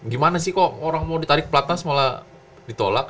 gimana sih kok orang mau ditarik pelatas malah ditolak